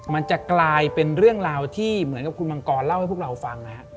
มันจะกลายเป็นเรื่องราวที่เหมือนกับคุณมังกรเล่าให้พวกเราฟังนะฮะ